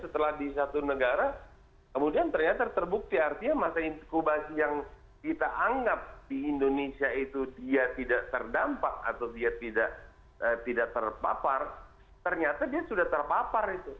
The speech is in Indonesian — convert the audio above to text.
ternyata dia sudah terpapar